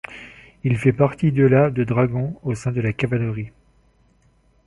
Il fait partie de la de dragon au sein de la de cavalerie.